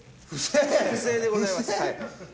不正でございますはい。